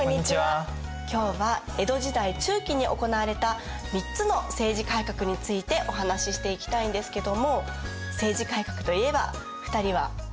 今日は江戸時代中期に行われた３つの政治改革についてお話ししていきたいんですけども政治改革といえば２人は何を思い出すかな？